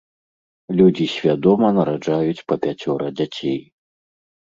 Людзі свядома нараджаюць па пяцёра дзяцей.